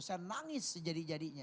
saya nangis sejadi jadinya